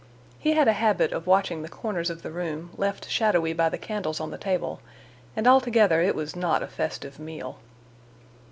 He had a habit of watching the corners of the room, left shadowy by the candles on the table, and altogether it was not a festive meal.